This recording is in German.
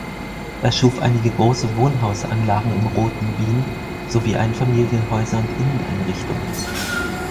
Er schuf einige große Wohnhausanlagen im Roten Wien, sowie Einfamilienhäuser und Inneneinrichtungen.